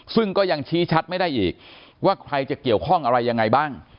ซึ่งก็ยังชี้ชัดไม่ได้อีกว่าใครจะเกี่ยวข้องอะไรยังไงบ้าง